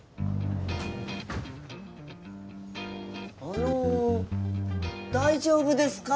あの大丈夫ですか？